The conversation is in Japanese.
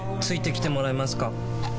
付いてきてもらえますか？